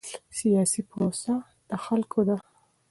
سیاسي پروسه د خلکو ده